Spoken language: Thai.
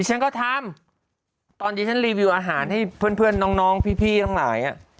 ดิฉันก็ทำตอนนี้ฉันรีวิวอาหารให้เพื่อนเพื่อนน้องน้องพี่พี่ทั้งหลายอ่ะ